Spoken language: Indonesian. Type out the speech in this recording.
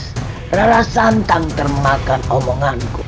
bagus rara santang termakan omonganku